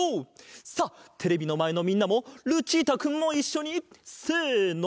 さあテレビのまえのみんなもルチータくんもいっしょにせの！